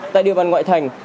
tại địa bàn ngoại thành